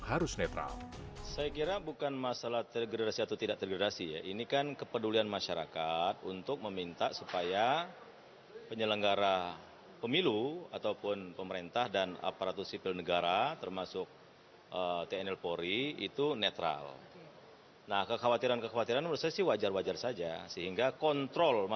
atas informasi dari pemerintah yang mulai kami janggal